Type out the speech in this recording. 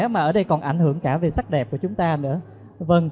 mà ở đây còn ảnh hưởng cả về sắc đẹp của chúng ta nữa